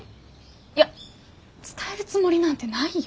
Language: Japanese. いや伝えるつもりなんてないよ。